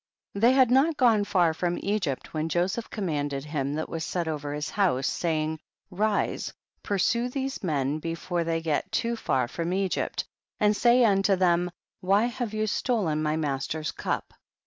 25. They had not gone far from Egypt when Joseph commanded him that was set over his house, saying, rise, pursue these men before they get too far from Egypt, and say unto them, why have you stolen my mas ter's cup